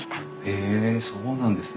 へえそうなんですね。